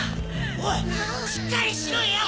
おいしっかりしろよ！